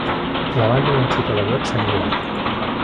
La banda invencible de Webb s'ha millorat.